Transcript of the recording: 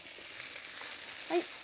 はい。